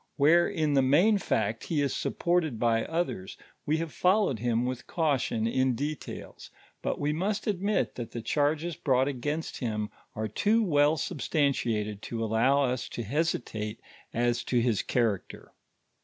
Where in the main fact he is supported by others, we have followed him with caution in details, but we must admit that the charges brought against him ore too well substantiated to allow us hesitate ns to Iiis elmrncter.